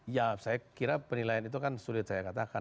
ya saya kira penilaian itu kan sulit saya katakan